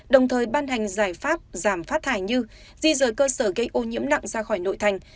đồng thời ban hành giải pháp giảm phát thải như di rời cơ sở gây ô nhiễm nặng ra khỏi nội thành